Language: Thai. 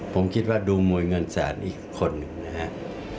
ผมคิดว่าดูมวยเงินแสนอีกคนหนึ่งนะครับ